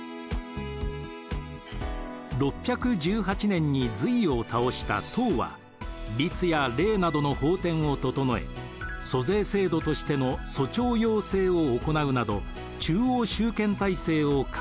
６１８年に隋を倒した唐は「律」や「令」などの法典を整え租税制度としての租調庸制を行うなど中央集権体制を確立。